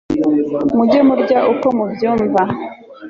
mujye murya uko mubyumva